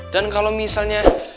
dan kalau misalnya